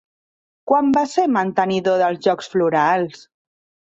Quan va ser mantenidor dels Jocs Florals?